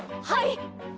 はい！